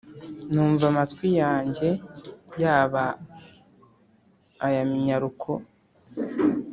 numva amatwi yanjye yaba aya minyaruko